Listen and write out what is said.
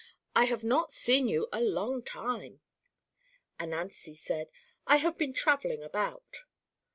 I have not seen you a long time." Ananzi said, "I have been travelling about."